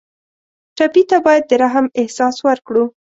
ټپي ته باید د رحم احساس ورکړو.